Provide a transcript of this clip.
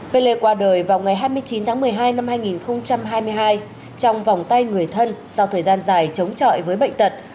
pelle qua đời vào ngày hai mươi chín tháng một mươi hai năm hai nghìn hai mươi hai trong vòng tay người thân sau thời gian dài chống trọi với bệnh tật